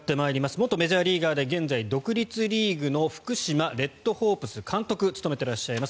元メジャーリーガーで現在、独立リーグの福島レッドホープス監督を務めていらっしゃいます